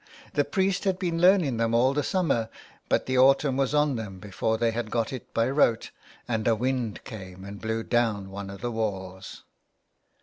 The priest had been learning them all the summer, but the autumn was on them before they had got it by rote and a wind came and blew down one of the walls."